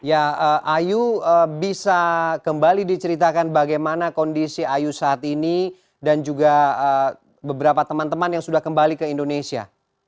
ya ayu bisa kembali diceritakan bagaimana kondisi ayu saat ini dan juga beberapa teman teman yang sudah kembali ke indonesia